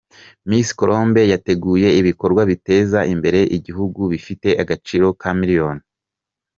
Miss Colombe yateguye ibikorwa biteza imbere igihugu bifite agaciro k’amamiliyoni.